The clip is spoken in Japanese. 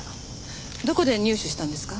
どこで入手したんですか？